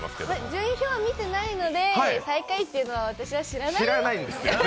順位表は見てないので最下位っていうのは私は知らないんです。